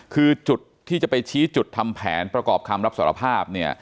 คือจุดที่จะไปชี้จุดทำแผนประกอบคำรับสารภาพเนี่ย